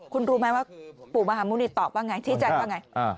คุณรู้ไหมว่าปู่มหาหมุณีตอบว่าไงชี้แจงว่าไง